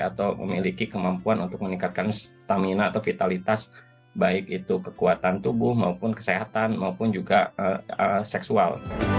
atau memiliki kemampuan untuk meningkatkan stamina atau vitalitas baik itu kekuatan tubuh maupun kesehatan maupun juga seksual